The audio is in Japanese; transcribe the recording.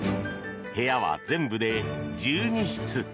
部屋は全部で１２室。